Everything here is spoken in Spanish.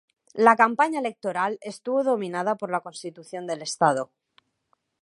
La campaña electoral estuvo dominada por la constitución del estado.